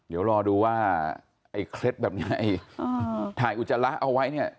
พอดูว่าไอ้เคล็ดแบบนี้ไอ้ถ่ายอุจจาระเอาไว้เนี่ย